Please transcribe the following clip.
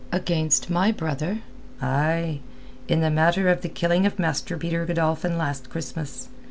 "Against my brother?" "Ay—in the matter of the killing of Master Peter Godolphin last Christmas.